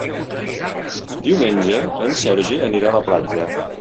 Diumenge en Sergi anirà a la platja.